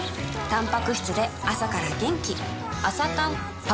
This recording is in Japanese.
たんぱく質で朝から元気